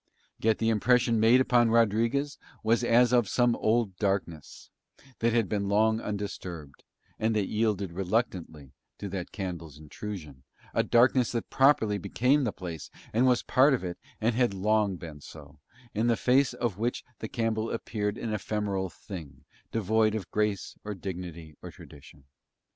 Yet the impression made upon Rodriguez was as of some old darkness that had been long undisturbed and that yielded reluctantly to that candle's intrusion, a darkness that properly became the place and was a part of it and had long been so, in the face of which the candle appeared an ephemeral thing devoid of grace or dignity or tradition.